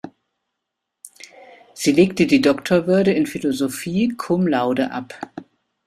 Sie legte die Doktorwürde in Philosophie cum laude ab.